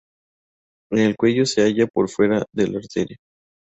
En el cuello se halla por fuera de la arteria.